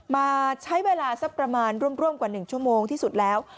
มาใช้เวลาสักประมาณร่วมกว่า๑ชั่วโมงที่สุดแล้ว